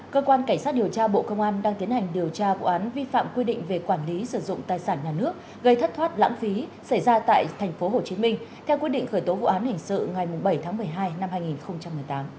cơ quan cảnh sát điều tra bộ công an đang tiến hành điều tra vụ án vi phạm quy định về quản lý sử dụng tài sản nhà nước gây thất thoát lãng phí xảy ra tại tp hcm theo quyết định khởi tố vụ án hình sự ngày bảy tháng một mươi hai năm hai nghìn một mươi tám